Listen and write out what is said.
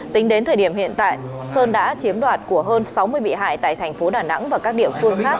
tính đến thời điểm hiện tại sơn đã chiếm đoạt của hơn sáu mươi bị hại tại thành phố đà nẵng và các địa phương khác